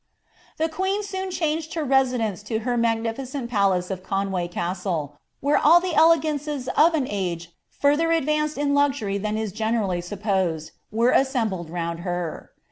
* The queen soon changed her residence to her magnificent palace of Oonway CSutle, where all the elegances of an age further advanced in lunry than is generally supposed, were assembled round her.